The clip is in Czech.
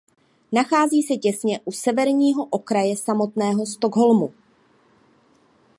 Nachází se těsně u severního okraje samotného Stockholmu.